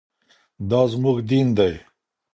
دا زموږ دین دی.